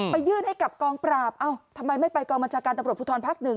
ยื่นให้กับกองปราบทำไมไม่ไปกองบัญชาการตำรวจภูทรภักดิ์๑